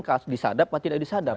kasus disadap atau tidak disadap